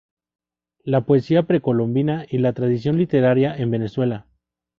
La poesía precolombina y la tradición literaria en Venezuela.